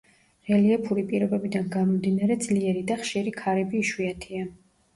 რელიეფური პირობებიდან გამომდინარე ძლიერი და ხშირი ქარები იშვიათია.